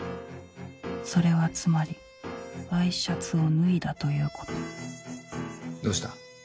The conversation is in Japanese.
それはつまりワイシャツを脱いだということどうした？